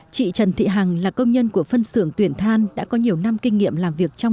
chị trần thị hằng là công nhân của phân xưởng tuyển than đã có nhiều năm kinh nghiệm làm việc trong